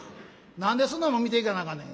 何でそんなもん見ていかなあかんねん」。